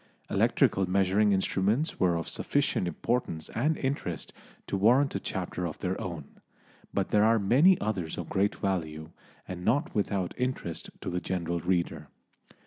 Electrical measuring instruments were of sufficient importance and interest to warrant a chapter of their own, but there are many others of great value, and not without interest to the general reader.